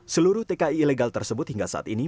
seluruh tki ilegal tersebut hingga saat ini